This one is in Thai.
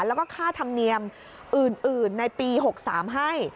แล้วก็ค่าธรรมเนียมอื่นในปี๖๓ให้